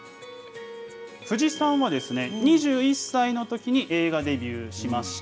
藤さんは２１歳のときに映画デビューしました。